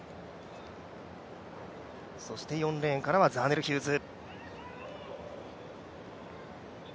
そして４レーンからはザーネル・ヒューズ。